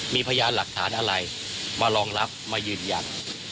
มีพยานหลักฐานอะไรมารองรับมายืนยัน